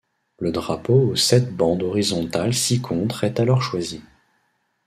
Le drapeau aux sept bandes horizontales ci-contre est alors choisi.